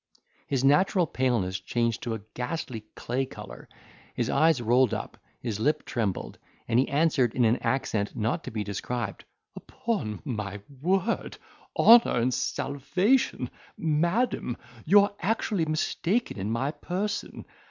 His natural paleness changed into a ghastly clay colour, his eyes rolled, his lip trembled, and he answered in an accent not to be described, "Upon my word, honour, and salvation, madam, you are actually mistaken in my person.